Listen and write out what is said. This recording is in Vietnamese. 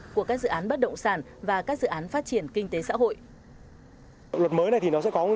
của các dự án bất động sản và các dự án phát triển kinh tế xã hội